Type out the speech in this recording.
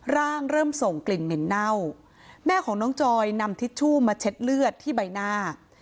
เริ่มส่งกลิ่นเหม็นเน่าแม่ของน้องจอยนำทิชชู่มาเช็ดเลือดที่ใบหน้า